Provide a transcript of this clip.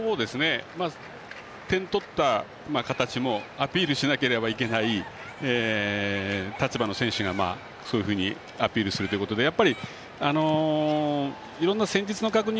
点取った形もアピールしなければいけない立場の選手がそういうふうにアピールするということでやっぱり、いろんな戦術の確認